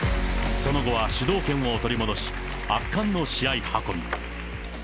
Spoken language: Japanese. その後は主導権を取り戻し、圧巻の試合運び。